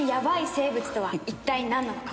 生物とは一体なんなのか？